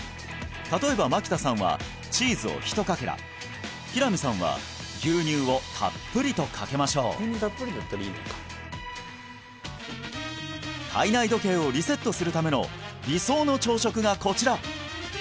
例えば牧田さんはチーズをひとかけら平見さんは牛乳をたっぷりとかけましょう体内時計をリセットするための理想の朝食がこちら！